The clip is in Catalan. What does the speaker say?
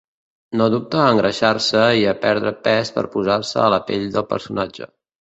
No dubta a engreixar-se i a perdre pes per posar-se a la pell del personatge.